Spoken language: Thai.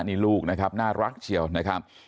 นี่ลูกนะครับน่ารักเชียวนะครับ